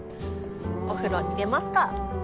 お風呂入れますか！